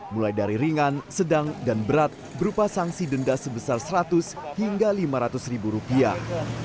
mulai dari ringan sedang dan berat berupa sanksi denda sebesar seratus hingga lima ratus ribu rupiah